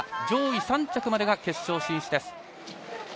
上位３着までが決勝進出です。